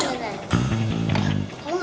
mau ngambil pulpen